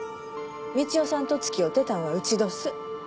道夫さんと付き合うてたんはうちどす。